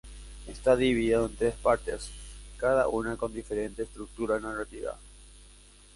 Está dividido en tres partes, cada una con diferente estructura narrativa.